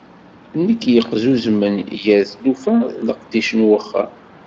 Nekk yeqzuzmen gar tlufa d leqdic n uxxam.